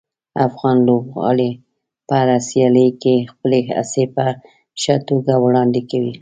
افغان لوبغاړي په هره سیالي کې خپلې هڅې په ښه توګه وړاندې کوي.